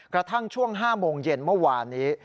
กระทั่งช่วง๕โมงเย็นเมื่อวานนี้